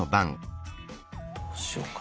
どうしようかな？